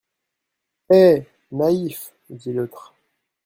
Eh ! naïfs, dit l'autre.